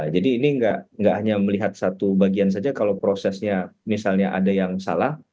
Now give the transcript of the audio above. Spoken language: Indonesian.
jadi ini nggak hanya melihat satu bagian saja kalau prosesnya misalnya ada yang salah